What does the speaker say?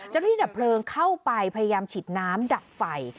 ที่ดับเพลิงเข้าไปพยายามฉีดน้ำดับไฟ